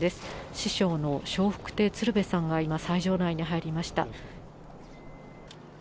師匠の笑福亭鶴瓶さんが今、斎場内に入りました。